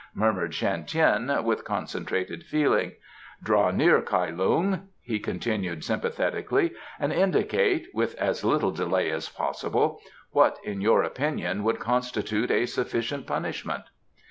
murmured Shan Tien with concentrated feeling. "Draw near, Kai Lung," he continued sympathetically, "and indicate with as little delay as possible what in your opinion would constitute a sufficient punishment."